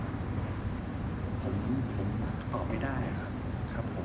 อันนี้ผมตอบไม่ได้ครับ